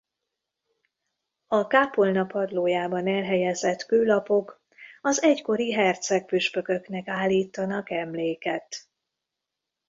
A kápolna padlójában elhelyezett kőlapok az egykori herceg-püspököknek állítanak emléket.